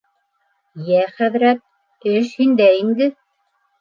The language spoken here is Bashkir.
— Йә хәҙрәт, эш һиндә инде.